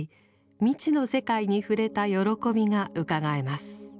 未知の世界に触れた喜びがうかがえます。